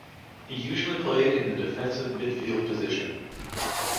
He usually played in the defensive midfield position.